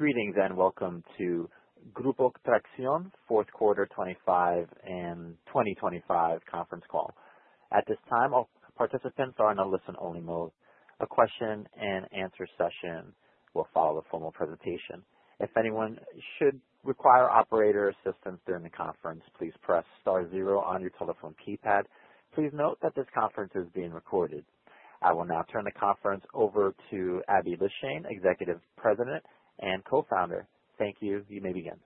Greetings, welcome to Grupo Traxión Fourth Quarter 25 and 2025 Conference Call. At this time, all participants are in a listen-only mode. A question and answer session will follow the formal presentation. If anyone should require operator assistance during the conference, please press star zero on your telephone keypad. Please note that this conference is being recorded. I will now turn the conference over to Aby Lijtszain, Executive President and Co-founder. Thank you. You may begin.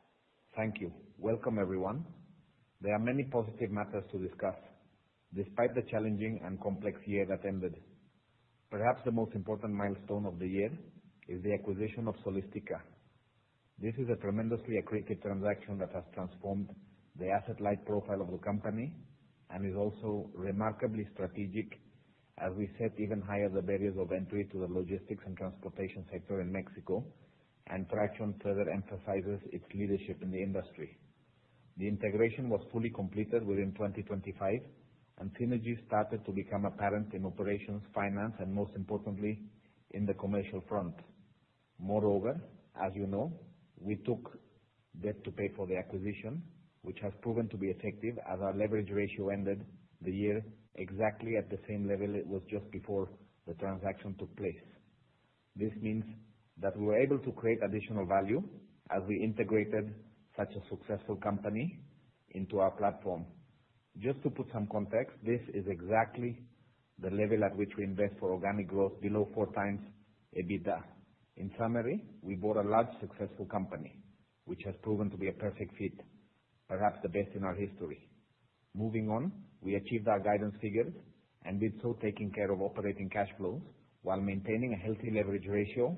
Thank you. Welcome, everyone. There are many positive matters to discuss despite the challenging and complex year that ended. Perhaps the most important milestone of the year is the acquisition of Solistica. This is a tremendously accretive transaction that has transformed the asset-light profile of the company and is also remarkably strategic as we set even higher the barriers of entry to the logistics and transportation sector in Mexico, and Traxión further emphasizes its leadership in the industry. The integration was fully completed within 2025, and synergies started to become apparent in operations, finance, and most importantly, in the commercial front. Moreover, as you know, we took debt to pay for the acquisition, which has proven to be effective as our leverage ratio ended the year exactly at the same level it was just before the transaction took place. This means that we were able to create additional value as we integrated such a successful company into our platform. Just to put some context, this is exactly the level at which we invest for organic growth below 4x EBITDA. We bought a large successful company, which has proven to be a perfect fit, perhaps the best in our history. Moving on, we achieved our guidance figures and did so taking care of operating cash flows while maintaining a healthy leverage ratio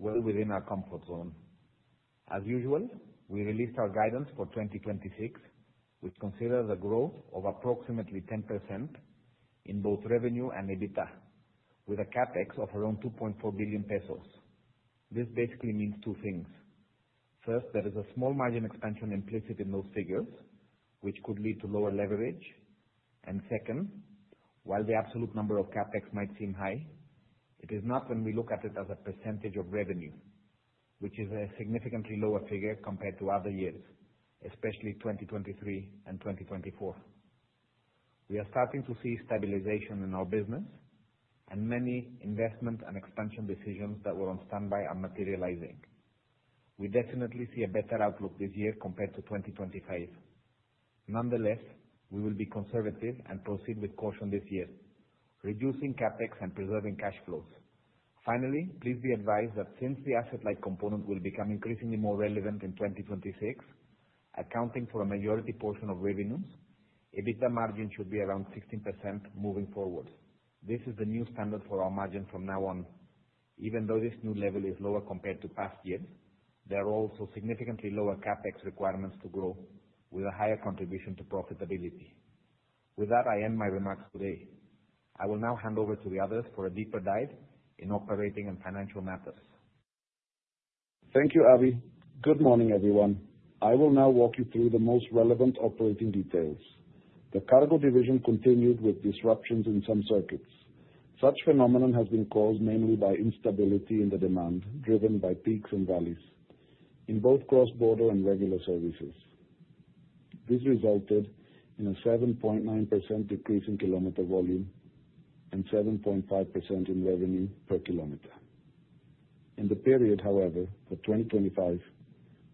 well within our comfort zone. As usual, we released our guidance for 2026, which considers a growth of approximately 10% in both revenue and EBITDA with a CapEx of around 2.4 billion pesos. This basically means two things. First, there is a small margin expansion implicit in those figures, which could lead to lower leverage. Second, while the absolute number of CapEx might seem high, it is not when we look at it as a percentage of revenue, which is a significantly lower figure compared to other years, especially 2023 and 2024. We are starting to see stabilization in our business and many investment and expansion decisions that were on standby are materializing. We definitely see a better outlook this year compared to 2025. Nonetheless, we will be conservative and proceed with caution this year, reducing CapEx and preserving cash flows. Finally, please be advised that since the asset light component will become increasingly more relevant in 2026, accounting for a majority portion of revenues, EBITDA margin should be around 16% moving forward. This is the new standard for our margin from now on. Even though this new level is lower compared to past years, there are also significantly lower CapEx requirements to grow with a higher contribution to profitability. With that, I end my remarks today. I will now hand over to the others for a deeper dive in operating and financial matters. Thank you, Aby. Good morning, everyone. I will now walk you through the most relevant operating details. The cargo division continued with disruptions in some circuits. Such phenomenon has been caused mainly by instability in the demand, driven by peaks and valleys in both cross-border and regular services. This resulted in a 7.9% decrease in kilometer volume and 7.5% in revenue per kilometer. In the period, however, for 2025,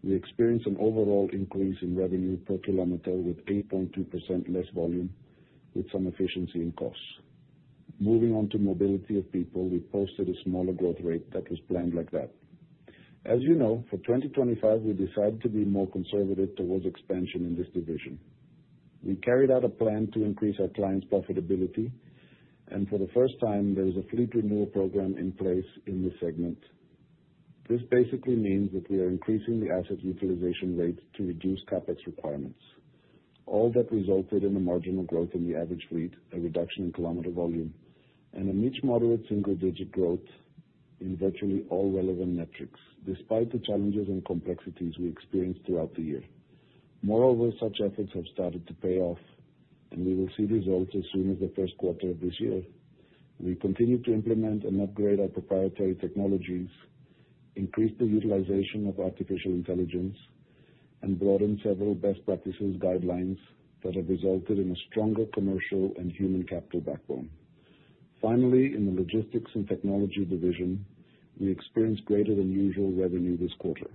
we experienced an overall increase in revenue per kilometer with 8.2% less volume with some efficiency in costs. Moving on to mobility of people, we posted a smaller growth rate that was planned like that. As you know, for 2025 we decided to be more conservative towards expansion in this division. We carried out a plan to increase our clients' profitability, and for the first time, there is a fleet renewal program in place in this segment. This basically means that we are increasing the asset utilization rate to reduce CapEx requirements. All that resulted in a marginal growth in the average fleet, a reduction in kilometer volume, and a niche moderate single-digit growth in virtually all relevant metrics, despite the challenges and complexities we experienced throughout the year. Moreover, such efforts have started to pay off, and we will see results as soon as the first quarter of this year. We continue to implement and upgrade our proprietary technologies, increase the utilization of artificial intelligence, and broaden several best practices guidelines that have resulted in a stronger commercial and human capital backbone. Finally, in the logistics and technology division, we experienced greater than usual revenue this quarter.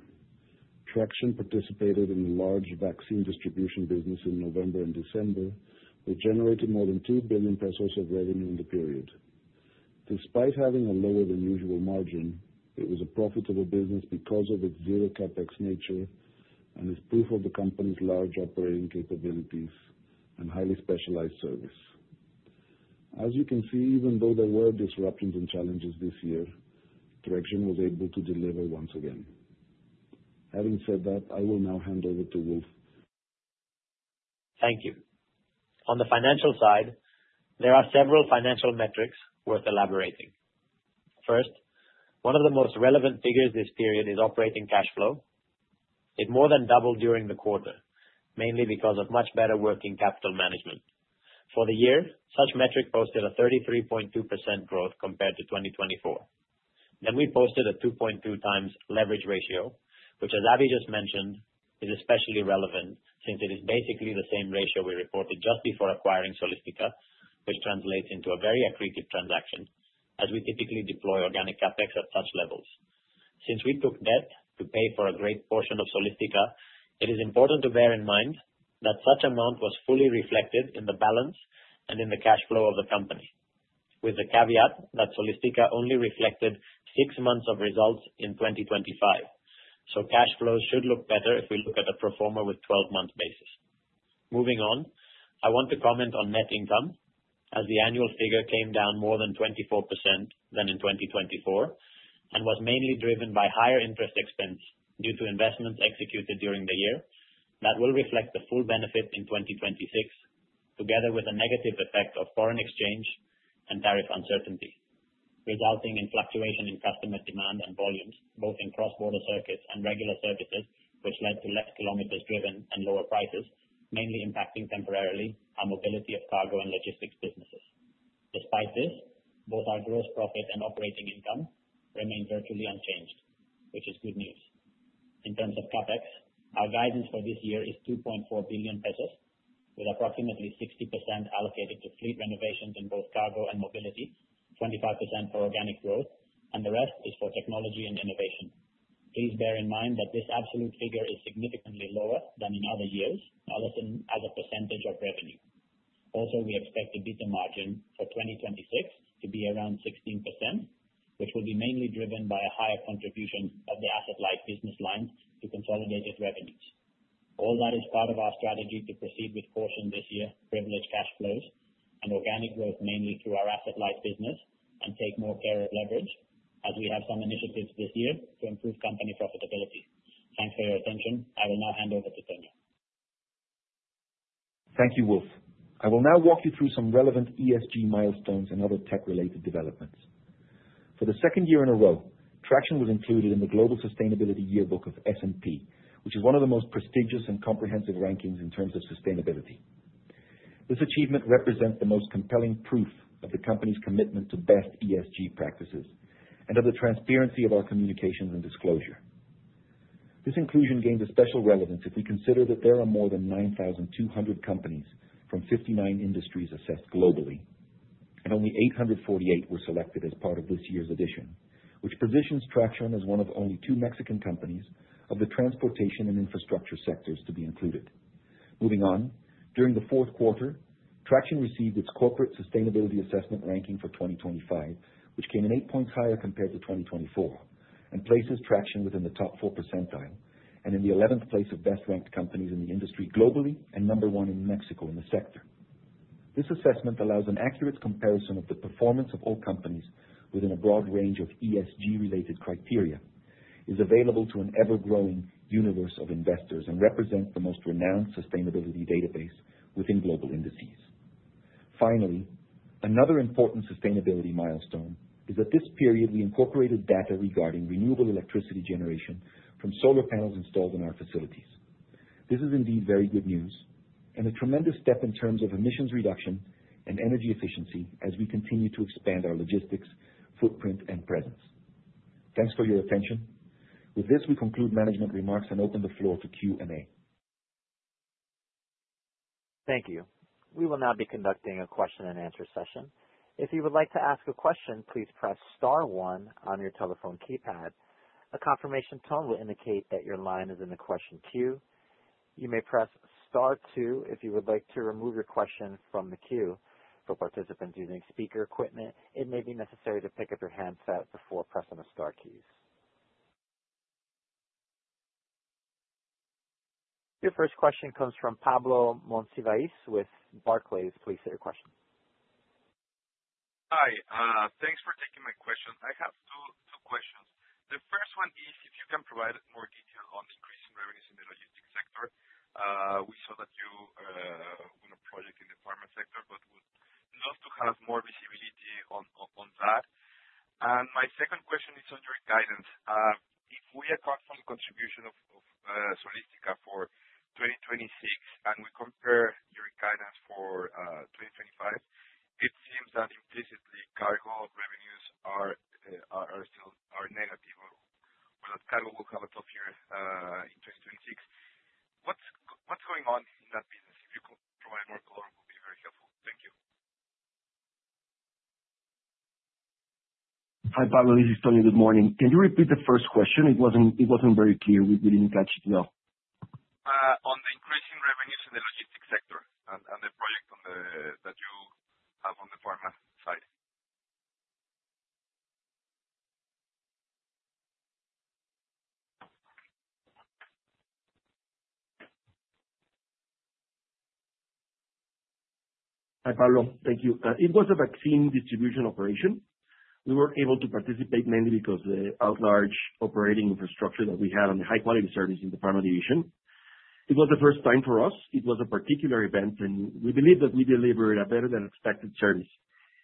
Traxión participated in the large vaccine distribution business in November and December. We generated more than 2 billion pesos of revenue in the period. Despite having a lower than usual margin, it was a profitable business because of its zero CapEx nature and is proof of the company's large operating capabilities and highly specialized service. As you can see, even though there were disruptions and challenges this year, Traxión was able to deliver once again. Having said that, I will now hand over to Wolf. Thank you. On the financial side, there are several financial metrics worth elaborating. First, one of the most relevant figures this period is operating cash flow. It more than doubled during the quarter, mainly because of much better working capital management. For the year, such metric posted a 33.2% growth compared to 2024. We posted a 2.2x leverage ratio, which as Aby just mentioned, is especially relevant since it is basically the same ratio we reported just before acquiring Solistica, which translates into a very accretive transaction as we typically deploy organic CapEx at such levels. Since we took debt to pay for a great portion of Solistica, it is important to bear in mind that such amount was fully reflected in the balance and in the cash flow of the company, with the caveat that Solistica only reflected 6 months of results in 2025. Cash flows should look better if we look at a pro forma with 12-month basis. Moving on, I want to comment on net income as the annual figure came down more than 24% than in 2024, was mainly driven by higher interest expense due to investments executed during the year. That will reflect the full benefit in 2026, together with a negative effect of foreign exchange and tariff uncertainty, resulting in fluctuation in customer demand and volumes, both in cross-border circuits and regular services, which led to less kilometers driven and lower prices, mainly impacting temporarily our mobility of cargo and logistics businesses. Despite this, both our gross profit and operating income remained virtually unchanged, which is good news. In terms of CapEx, our guidance for this year is 2.4 billion pesos, with approximately 60% allocated to fleet renovations in both cargo and mobility, 25% for organic growth, the rest is for technology and innovation. Please bear in mind that this absolute figure is significantly lower than in other years, not as a percentage of revenue. Also, we expect the EBITDA margin for 2026 to be around 16%, which will be mainly driven by a higher contribution of the asset-light business line to consolidated revenues. All that is part of our strategy to proceed with caution this year, privilege cash flows and organic growth, mainly through our asset-light business, and take more care of leverage as we have some initiatives this year to improve company profitability. Thanks for your attention. I will now hand over to Tony. Thank you, Wolf. I will now walk you through some relevant ESG milestones and other tech related developments. For the second year in a row, Traxión was included in the Global Sustainability Yearbook of S&P, which is one of the most prestigious and comprehensive rankings in terms of sustainability. This achievement represents the most compelling proof of the company's commitment to best ESG practices and of the transparency of our communications and disclosure. This inclusion gains a special relevance if we consider that there are more than 9,200 companies from 59 industries assessed globally, and only 848 were selected as part of this year's edition, which positions Traxión as one of only two Mexican companies of the transportation and infrastructure sectors to be included. Moving on. During the fourth quarter, Traxión received its Corporate Sustainability Assessment ranking for 2025, which came in 8 points higher compared to 2024, and places Traxión within the top 4 percentile and in the 11th place of best-ranked companies in the industry globally and number one in Mexico in the sector. This assessment allows an accurate comparison of the performance of all companies within a broad range of ESG-related criteria, is available to an ever-growing universe of investors, and represents the most renowned sustainability database within global indices. Finally, another important sustainability milestone is that this period we incorporated data regarding renewable electricity generation from solar panels installed in our facilities. This is indeed very good news and a tremendous step in terms of emissions reduction and energy efficiency as we continue to expand our logistics footprint and presence. Thanks for your attention. With this, we conclude management remarks and open the floor to Q&A. Thank you. We will now be conducting a question and answer session. If you would like to ask a question, please press star one on your telephone keypad. A confirmation tone will indicate that your line is in the question queue. You may press star two if you would like to remove your question from the queue. For participants using speaker equipment, it may be necessary to pick up your handset before pressing the star keys. Your first question comes from Pablo Monsivais with Barclays. Please state your question. Hi. Thanks for taking my question. I have two questions. The first one is if you can provide more detail on increasing revenues in the logistics sector. We saw that you won a project in the pharma sector, but would love to have more visibility on that. My second question is on your guidance. If we apart from the contribution of Solistica for 2026 and we compare your guidance for 2025, it seems that implicitly cargo revenues are still negative or that cargo will have a tough year in 2026. What's going on in that business? If you could provide more color, it would be very helpful. Thank you. Hi, Pablo, this is Tony. Good morning. Can you repeat the first question? It wasn't very clear. We didn't catch it well. On the increasing revenues in the logistics sector and the project that you have on the pharma side. Hi, Pablo. Thank you. It was a vaccine distribution operation. We were able to participate mainly because the outlarge operating infrastructure that we have and the high-quality service in the pharma division. It was the first time for us. It was a particular event, and we believe that we delivered a better than expected service,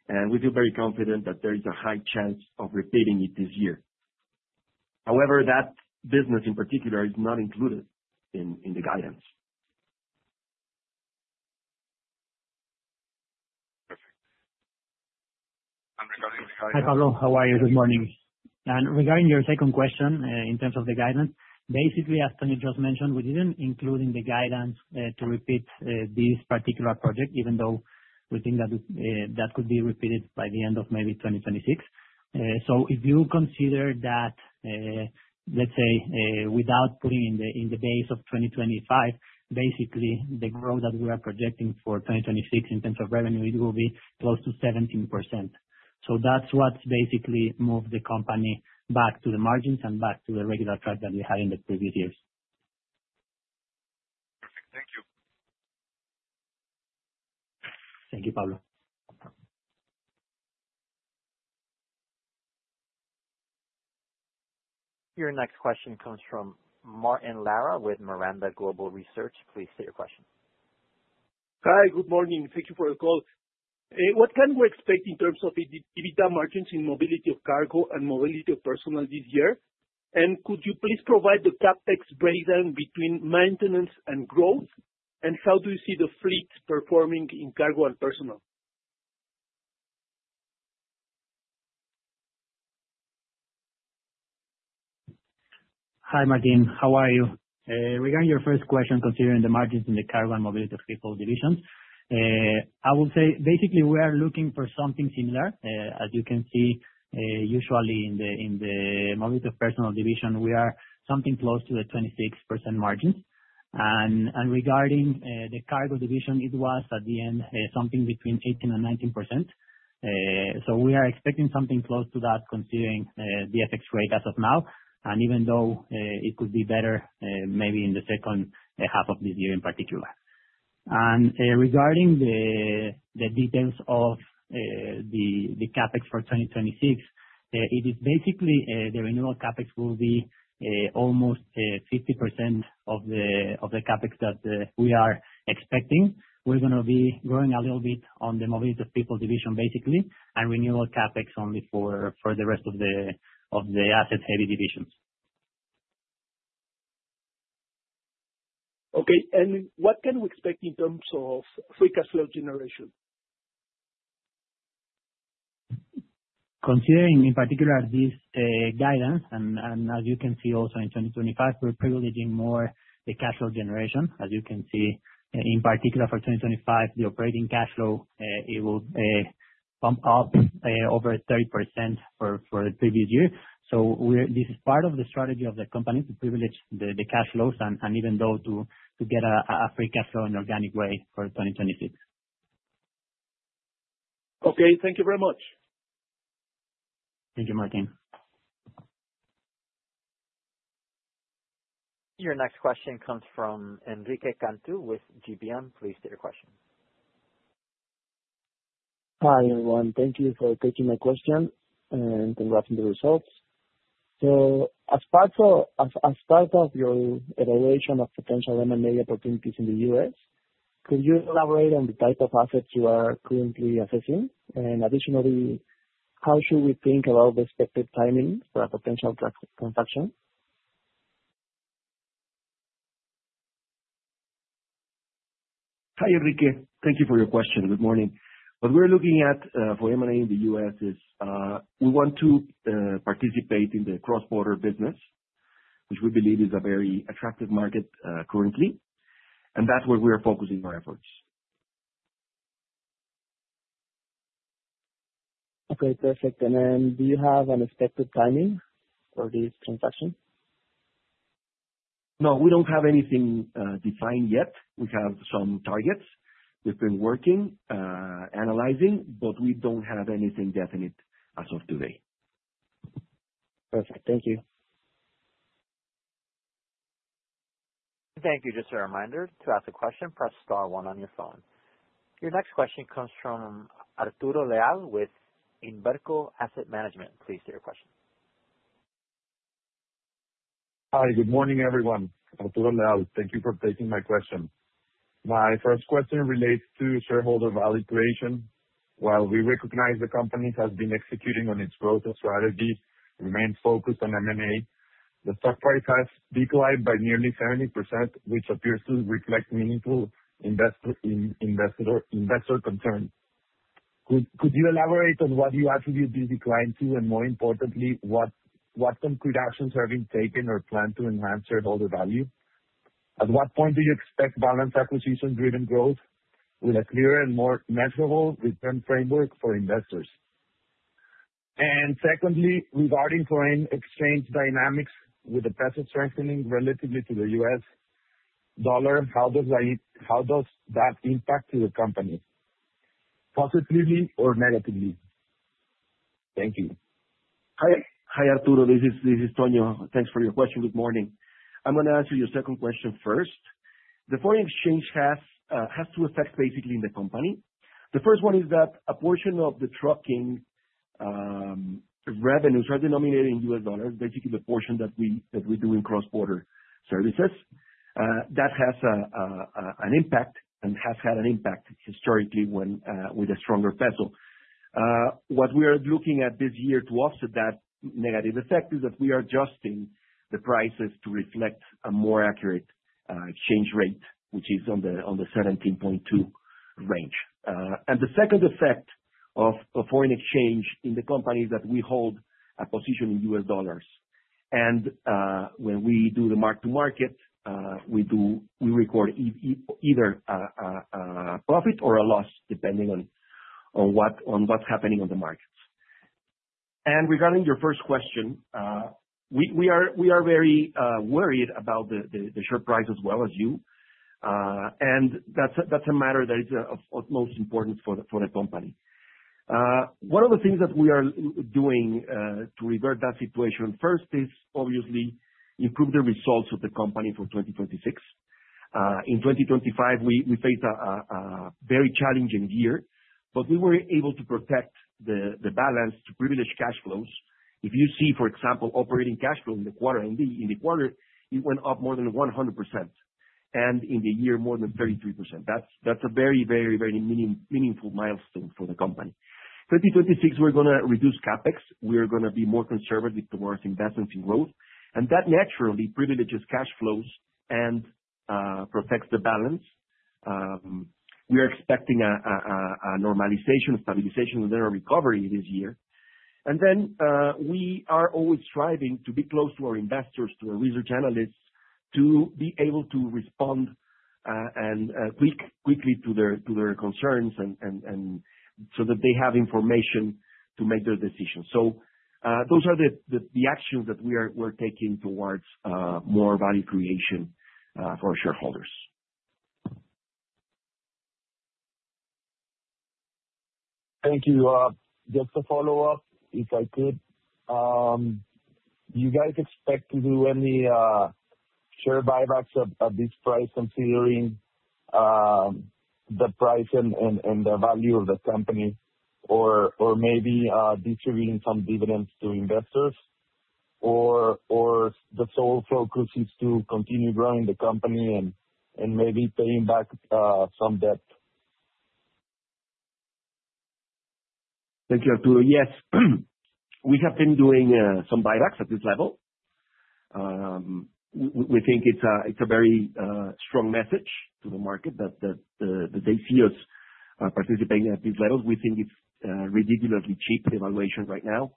and we feel very confident that there is a high chance of repeating it this year. However, that business in particular is not included in the guidance. Perfect. Regarding the guidance- Hi, Pablo. How are you? Good morning. Regarding your second question, in terms of the guidance, basically, as Tony just mentioned, we didn't include in the guidance to repeat this particular project, even though we think that could be repeated by the end of maybe 2026. If you consider that, let's say, without putting in the, in the base of 2025, basically the growth that we are projecting for 2026 in terms of revenue, it will be close to 17%. That's what basically moved the company back to the margins and back to the regular track that we had in the previous years. Perfect. Thank you. Thank you, Pablo. Your next question comes from Martín Lara with Miranda Global Research. Please state your question. Hi. Good morning. Thank you for the call. What can we expect in terms of EBITDA margins in mobility of cargo and mobility of personnel this year? Could you please provide the CapEx breakdown between maintenance and growth? How do you see the fleet performing in cargo and personnel? Hi, Martín, how are you? Regarding your first question concerning the margins in the cargo and mobility of people division, I will say basically we are looking for something similar. As you can see, usually in the mobility of personnel division, we are something close to a 26% margin. Regarding the cargo division, it was at the end, something between 18%-19%. We are expecting something close to that considering the FX rate as of now, and even though, it could be better, maybe in the second half of this year in particular. Regarding the details of the CapEx for 2026, it is basically the renewal CapEx will be almost 50% of the CapEx that we are expecting. We're gonna be growing a little bit on the mobility of people division, basically, and renewal CapEx only for the rest of the asset-heavy divisions. Okay. What can we expect in terms of free cash flow generation? Considering in particular this guidance and as you can see also in 2025, we're privileging more the cash flow generation. As you can see, in particular for 2025 the operating cash flow, it will bump up over 30% for the previous year. This is part of the strategy of the company to privilege the cash flows and even though to get a free cash flow in organic way for 2026. Okay. Thank you very much. Thank you, Martín. Your next question comes from Enrique Cantú with GBM. Please state your question. Hi, everyone. Thank you for taking my question, and congrats on the results. As part of your evaluation of potential M&A opportunities in the U.S., could you elaborate on the type of assets you are currently assessing? Additionally, how should we think about the expected timing for a potential transaction? Hi, Enrique. Thank you for your question. Good morning. What we're looking at for M&A in the U.S. is we want to participate in the cross-border business, which we believe is a very attractive market currently. That's where we are focusing our efforts. Okay. Perfect. Then do you have an expected timing for this transaction? No, we don't have anything defined yet. We have some targets. We've been working, analyzing, but we don't have anything definite as of today. Perfect. Thank you. Thank you. Just a reminder, to ask a question, press star 1 on your phone. Your next question comes from Arturo Leal with Inverco Asset Management. Please state your question. Hi. Good morning, everyone. Arturo Leal. Thank you for taking my question. My first question relates to shareholder value creation. While we recognize the company has been executing on its growth and strategy, remain focused on M&A, the stock price has declined by nearly 70%, which appears to reflect meaningful investor concern. Could you elaborate on what you attribute this decline to, and more importantly, what concrete actions are being taken or planned to enhance shareholder value? At what point do you expect balanced acquisition-driven growth with a clearer and more measurable return framework for investors? Secondly, regarding foreign exchange dynamics with the peso strengthening relatively to the U.S. dollar, how does that impact to the company, positively or negatively? Thank you. Hi. Hi, Arturo. This is Tony. Thanks for your question. Good morning. I'm gonna answer your second question first. The foreign exchange has two effects basically in the company. The first one is that a portion of the trucking revenues are denominated in U.S. dollars, basically the portion that we do in cross-border services. That has an impact and has had an impact historically when with a stronger peso. What we are looking at this year to offset that negative effect is that we are adjusting the prices to reflect a more accurate exchange rate, which is on the 17.2 range. The second effect of a foreign exchange in the company is that we hold a position in U.S. dollars. When we do the mark-to-market, we record either a profit or a loss depending on what's happening on the markets. Regarding your first question, we are very worried about the share price as well as you. That's a matter that is of utmost importance for the company. One of the things that we are doing to revert that situation first is obviously improve the results of the company for 2026. In 2025 we faced a very challenging year, but we were able to protect the balance to privilege cash flows. If you see, for example, operating cash flow in the quarter, it went up more than 100% and in the year more than 33%. That's a very meaningful milestone for the company. 2026, we're gonna reduce CapEx. We are gonna be more conservative towards investments in growth. That naturally privileges cash flows and protects the balance. We are expecting a normalization, a stabilization, and then a recovery this year. We are always striving to be close to our investors, to our research analysts, to be able to respond and quickly to their concerns and so that they have information to make their decisions. Those are the actions that we're taking towards more value creation for our shareholders. Thank you. Just a follow-up, if I could. Do you guys expect to do any share buybacks at this price, considering the price and the value of the company, or maybe distributing some dividends to investors, or the sole focus is to continue growing the company and maybe paying back some debt? Thank you, Arturo. Yes. We have been doing some buybacks at this level. We think it's a very strong message to the market that they see us participating at these levels. We think it's ridiculously cheap evaluation right now.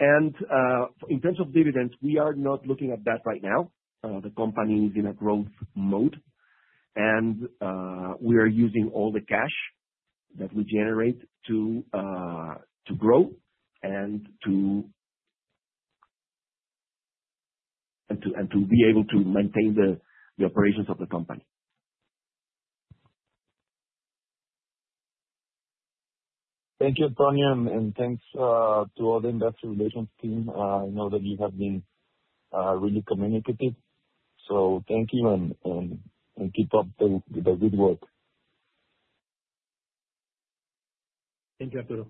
In terms of dividends, we are not looking at that right now. The company is in a growth mode and we are using all the cash that we generate to grow and to be able to maintain the operations of the company. Thank you, Antonio, and thanks to all the investor relations team. I know that you have been really communicative, so thank you and keep up the good work. Thank you, Arturo.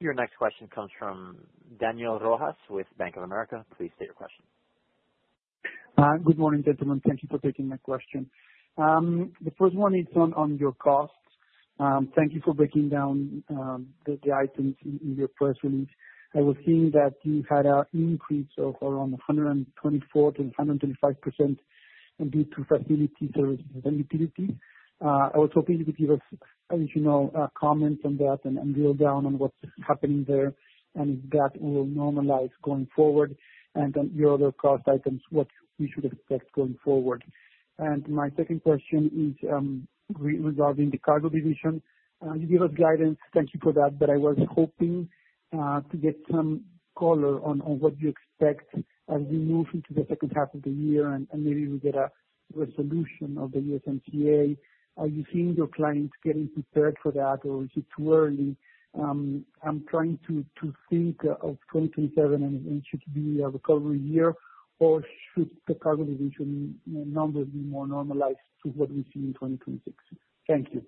Your next question comes from Daniel Rojas with Bank of America. Please state your question. Good morning, gentlemen. Thank you for taking my question. The first one is on your costs. Thank you for breaking down the items in your press release. I was seeing that you had a increase of around 124%-125% due to facilities or availability. I was hoping you could give us, as you know, comment on that and drill down on what's happening there, and if that will normalize going forward. Then your other cost items, what we should expect going forward. My second question is regarding the cargo division. You gave us guidance, thank you for that. I was hoping to get some color on what you expect as we move into the second half of the year and maybe we get a resolution of the USMCA. Are you seeing your clients getting prepared for that or is it too early? I'm trying to think of 2027 and should be a recovery year or should the cargo division numbers be more normalized to what we see in 2026? Thank you.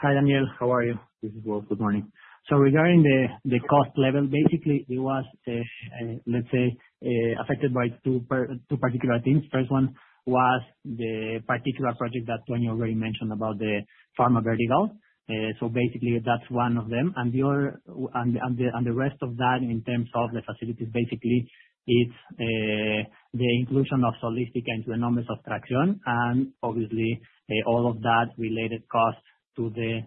Hi, Daniel. How are you? This is Raul. Good morning. Regarding the cost level, basically it was, let's say, affected by two particular things. First one was the particular project that Tony already mentioned about the pharma vertical. Basically that's one of them. The other, and the rest of that in terms of the facilities, basically it's the inclusion of Solistica into Grupo Traxión. Obviously, all of that related costs to the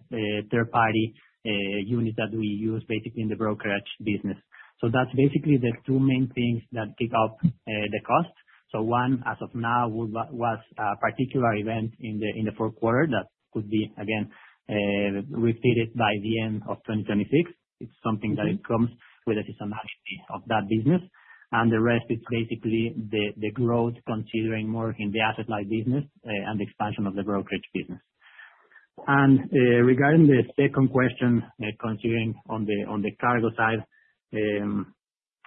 third party unit that we use basically in the brokerage business. That's basically the two main things that take up the cost. One, as of now, was a particular event in the fourth quarter that could be again repeated by the end of 2026. It's something that it comes with a seasonality of that business. The rest is basically the growth considering more in the asset-light business and the expansion of the brokerage business. Regarding the second question, considering on the, on the cargo side,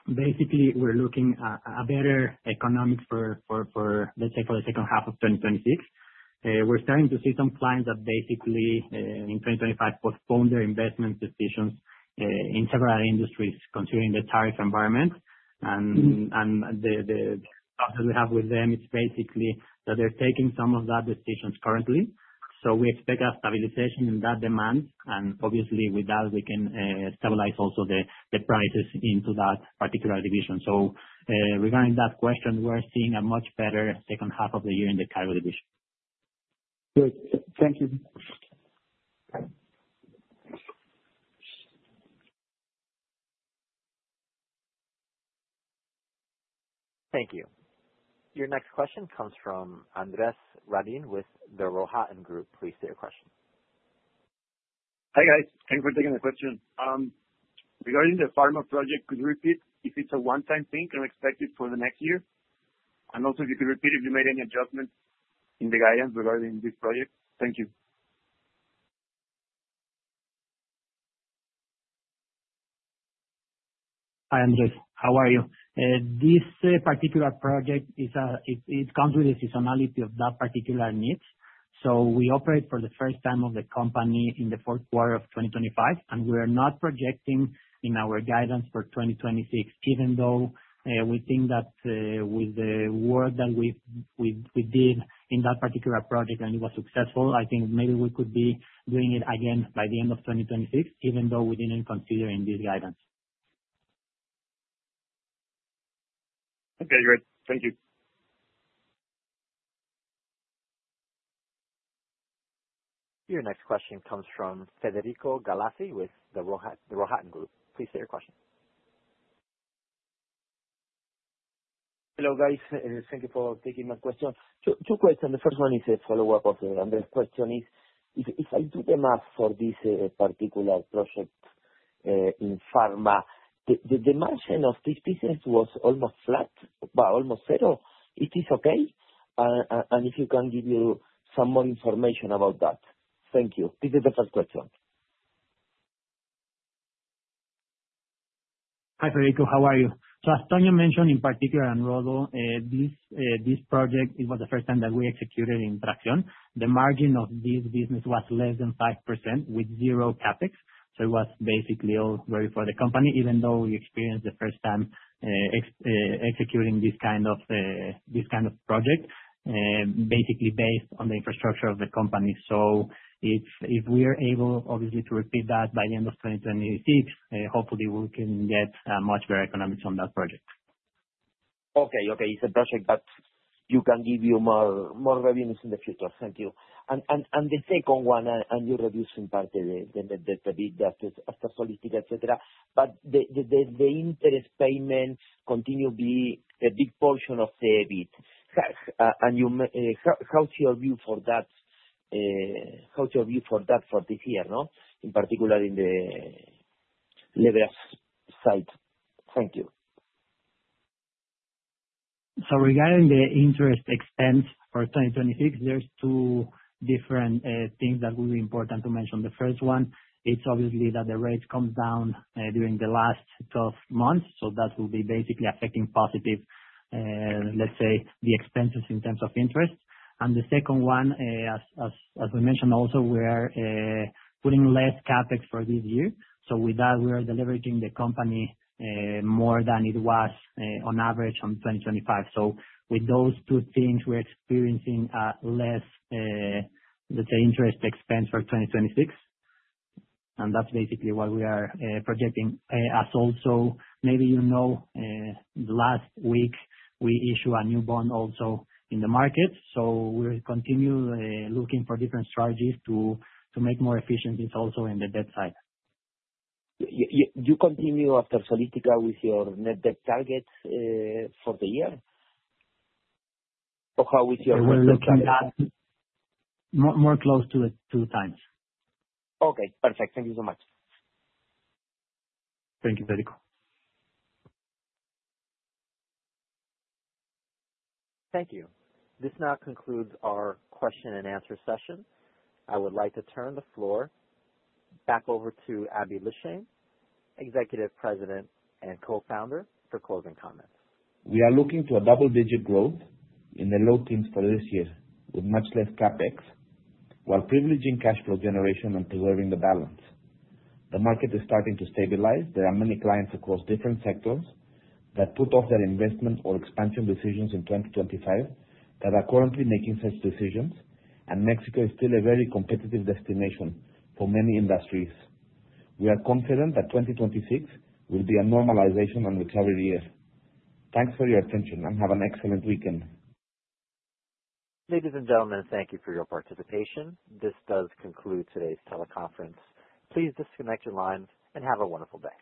basically we're looking at a better economics for, let's say for the second half of 2026. We're starting to see some clients that basically in 2025 postponed their investment decisions in several industries considering the tariff environment. The discussion we have with them is basically that they're taking some of that decisions currently. We expect a stabilization in that demand, and obviously with that we can stabilize also the prices into that particular division. Regarding that question, we're seeing a much better second half of the year in the cargo division. Great. Thank you. Thank you. Your next question comes from Andres Radin with The Rohatyn Group. Please state your question. Hi, guys. Thank you for taking the question. Regarding the pharma project, could you repeat if it's a one-time thing and expected for the next year? Also if you could repeat if you made any adjustments in the guidance regarding this project. Thank you. Hi, Andres. How are you? This particular project is, it comes with a seasonality of that particular niche. We operate for the first time of the company in the fourth quarter of 2025. We are not projecting in our guidance for 2026, even though we think that with the work that we did in that particular project and it was successful, I think maybe we could be doing it again by the end of 2026, even though we didn't consider in this guidance. Okay, great. Thank you. Your next question comes from Federico Galassi with The Rohatyn Group. Please state your question. Hello, guys. Thank you for taking my question. two questions. The first one is a follow-up of the Andres question is, if I do the math for this particular project in pharma, the margin of this business was almost flat, but almost zero. It is okay? And if you can give me some more information about that. Thank you. This is the first question. Hi, Federico. How are you? As Tony mentioned in particular, and Rodolfo, this project, it was the first time that we executed in Traxión. The margin of this business was less than 5% with 0 CapEx. It was basically all very for the company, even though we experienced the first time executing this kind of project, basically based on the infrastructure of the company. If, if we're able, obviously, to repeat that by the end of 2026, hopefully we can get much better economics on that project. Okay. Okay. It's a project that you can give you more revenues in the future. Thank you. The second one, you reduced in part the big debt as, after Solistica et cetera, but the interest payments continue to be a big portion of the EBIT. How's your view for that? How's your view for that for this year, no? In particular in the levers side. Thank you. Regarding the interest expense for 2026, there's two different things that will be important to mention. The first one, it's obviously that the rates come down during the last 12 months. That will be basically affecting positive, let's say, the expenses in terms of interest. The second one, as we mentioned also, we are putting less CapEx for this year. With that, we are deleveraging the company more than it was on average on 2025. With those two things, we're experiencing less, let's say, interest expense for 2026. That's basically what we are projecting. As also maybe you know, last week we issue a new bond also in the market, so we're continue looking for different strategies to make more efficiencies also in the debt side. You continue after Solistica with your net debt targets, for the year? How is We're looking at more close to it 2x. Okay. Perfect. Thank you so much. Thank you, Federico. Thank you. This now concludes our question and answer session. I would like to turn the floor back over to Aby Lijtszain, Executive President and Co-founder, for closing comments. We are looking to a double-digit growth in the low teens for this year with much less CapEx, while privileging cash flow generation and preserving the balance. The market is starting to stabilize. There are many clients across different sectors that put off their investment or expansion decisions in 2025 that are currently making such decisions. Mexico is still a very competitive destination for many industries. We are confident that 2026 will be a normalization and recovery year. Thanks for your attention. Have an excellent weekend. Ladies and gentlemen, thank you for your participation. This does conclude today's teleconference. Please disconnect your lines and have a wonderful day.